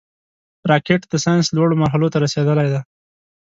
راکټ د ساینس لوړو مرحلو ته رسېدلی دی